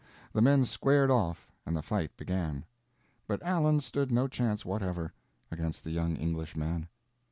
The men squared off, and the fight began. But Allen stood no chance whatever, against the young Englishman.